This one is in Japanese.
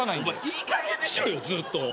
いいかげんにしろずっと。